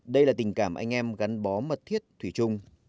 đây là tình cảm anh em gắn bó mật thiết thủy chung